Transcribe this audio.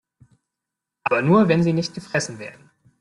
Aber nur, wenn sie nicht gefressen werden.